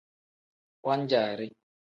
Wan-jaari.